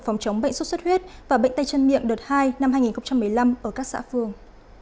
phòng chống bệnh xuất xuất huyết và bệnh tay chân miệng đợt hai năm hai nghìn một mươi năm ở các xã phường